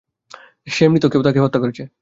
সে মৃত, কেউ তাকে হত্যা করেছে!